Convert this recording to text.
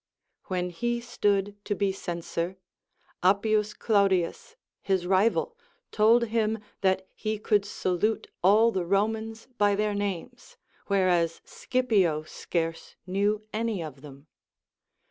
When he stood to be censor, Ap pius Claudius, his rival, told him that he could salute all the Romans by their names, Avhereas Scipio scarce knew any of them.